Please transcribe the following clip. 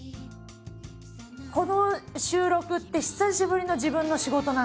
この収録って久しぶりの自分の仕事なんですよ。